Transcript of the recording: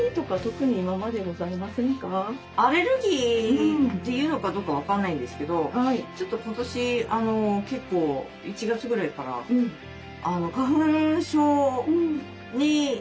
アレルギーっていうのかどうか分からないんですけどちょっと今年結構１月ぐらいから花粉症に。